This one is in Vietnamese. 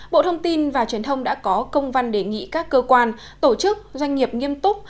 bộ thông tin và truyền thông đã có công văn đề nghị các cơ quan tổ chức doanh nghiệp nghiêm túc